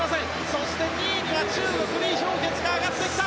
そして、２位には中国、リ・ヒョウケツが上がってきた。